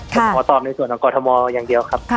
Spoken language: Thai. ผมขอตอบในส่วนของกรทมอย่างเดียวครับ